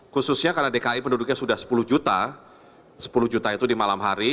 khususnya karena dki penduduknya sudah sepuluh juta sepuluh juta itu di malam hari